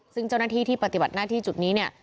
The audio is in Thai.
ซึ่งเจ้าหน้าที่ที่ปฏิบัติหน้าที่จุดนี้เนี่ย